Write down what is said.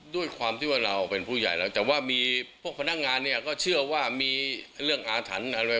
ด้วยความที่ว่าเราเป็นผู้ใหญ่แล้วแต่ว่ามีพวกพนักงานเนี่ยก็เชื่อว่ามีเรื่องอาถรรพ์อะไร